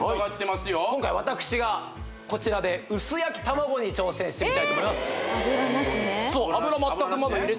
今回私がこちらでこちらに卵入れてみたいと思います